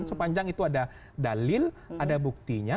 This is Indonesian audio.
sepanjang itu ada dalil ada buktinya